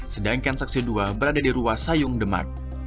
sedangkan saksi dua berada di ruas sayung demak